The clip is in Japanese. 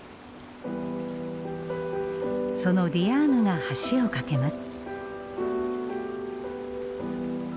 そのディアーヌが橋を架けます。